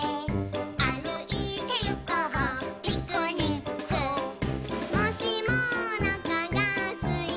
「あるいてゆこうピクニック」「もしもおなかがすいたなら」